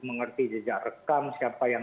mengerti jejak rekam siapa yang